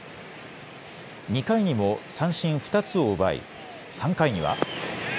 ２回にも三振２つを奪い３回には。